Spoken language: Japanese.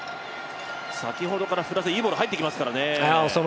先ほどからいいボールが入ってきますからね。